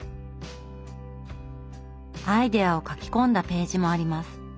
アイデアを書き込んだページもあります。